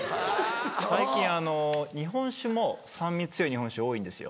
最近日本酒も酸味強い日本酒多いんですよ。